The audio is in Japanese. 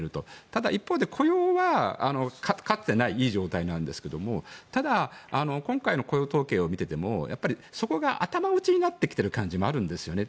ただ、一方で雇用はかつてないいい状態なんですけれどもただ、今回の雇用統計を見ていてもそこが頭打ちになっている感じもあるんですよね。